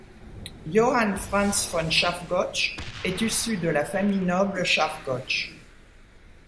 Johann Franz von Schaffgotsch est issu de la famille noble Schaffgotsch.